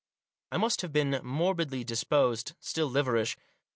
I must have been morbidly disposed ; still liverish.